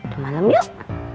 ke malem yuk